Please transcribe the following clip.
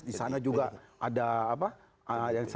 disana juga ada apa